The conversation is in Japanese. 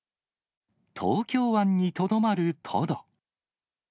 東京湾にとどまるトド。